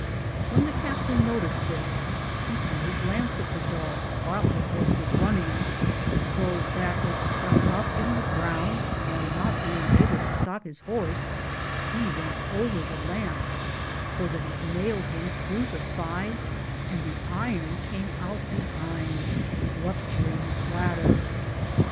When the captain noticed this, he threw his lance at the dog while his horse was running, so that it stuck up in the ground, and not being able to stop his horse he went over the lance so that it nailed him through the thighs and the iron came out behind, rupturing his bladder.